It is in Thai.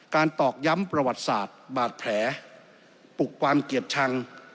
ตอกย้ำประวัติศาสตร์บาดแผลปลุกความเกลียดชัง